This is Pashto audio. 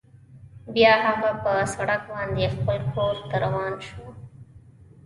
بیا هغه په سړک باندې خپل کور ته روان شو